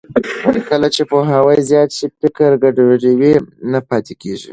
کله چې پوهاوی زیات شي، فکري ګډوډي نه پاتې کېږي.